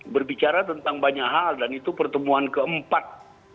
berbicara tentang banyak hal dan itu pertemuan keempat